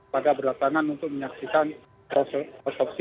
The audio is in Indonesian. pada berlatangan untuk menyaksikan proses otopsi